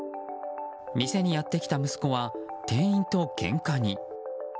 店にやってきた息子は店員とけんかに。